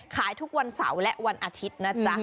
ขายทุกวันเสาร์และวันอาทิตย์นะจ๊ะ